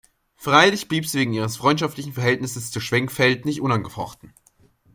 Freilich blieb sie wegen ihres freundschaftlichen Verhältnisses zu Schwenckfeld nicht unangefochten.